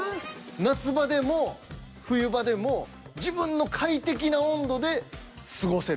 夏場でも冬場でも自分の快適な温度で過ごせる。